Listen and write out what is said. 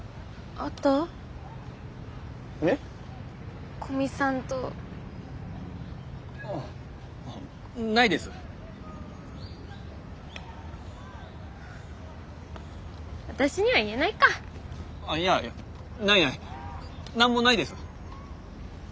あっいやないない何もないです。